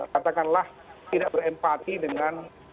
katakanlah tidak berempati dengan